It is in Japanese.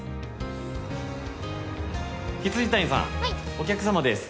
お客様です。